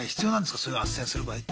そういうあっせんする場合って。